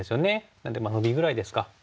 なのでノビぐらいですか。